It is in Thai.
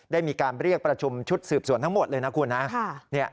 ได้มีการเรียกประชุมชุดสืบสวนทั้งหมดเลยนะคุณนะ